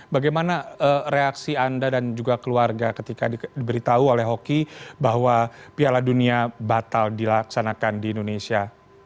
bagaimana reaksi anda dan juga keluarga ketika diberitahu oleh hoki bahwa piala dunia batal dilaksanakan di indonesia